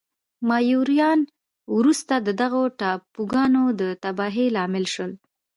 مایوریان وروسته د دغو ټاپوګانو د تباهۍ لامل شول.